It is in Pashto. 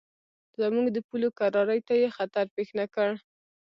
زموږ د پولو کرارۍ ته یې خطر پېښ نه کړ.